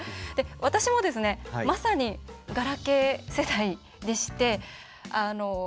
私もまさにガラケー世代でして。